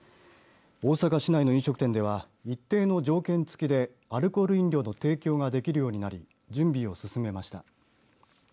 大阪市内の飲食店では一定の条件付きでアルコール飲料の提供ができるようになり準備を進めました。